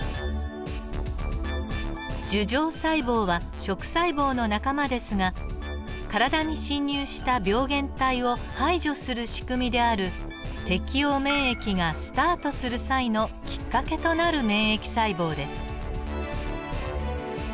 樹状細胞は食細胞の仲間ですが体に侵入した病原体を排除するしくみである適応免疫がスタートする際のきっかけとなる免疫細胞です。